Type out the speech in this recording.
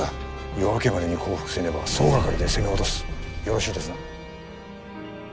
夜明けまでに降伏せねば総がかりで攻め落とすよろしいですな？